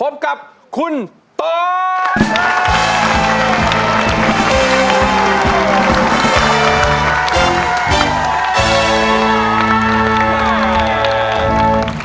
พบกับคุณต้อง